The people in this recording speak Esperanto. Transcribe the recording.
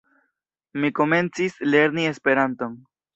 Mi komencis lerni Esperanton.